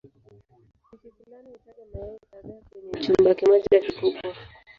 Spishi fulani hutaga mayai kadhaa kwenye chumba kimoja kikubwa.